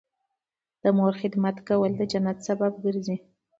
د مور خدمت کول د جنت سبب ګرځي